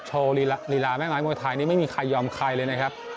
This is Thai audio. ลีลาแม่ไม้มวยไทยนี่ไม่มีใครยอมใครเลยนะครับ